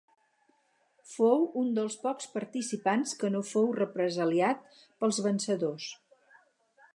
Fou un dels pocs participants que no fou represaliat pels vencedors.